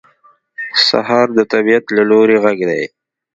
سهار د طبیعت له لوري غږ دی.